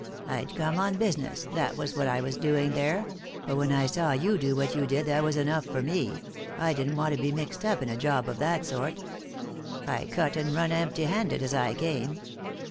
I'd come on business, that was what I was doing there ; but when I saw you do what you did that was enough for me ; I didn't want to be mixed up in a job of that sort. I cut and run empty handed, as I came.